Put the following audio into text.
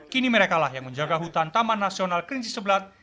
kini merekalah yang menjaga hutan taman nasional kerinci sebelat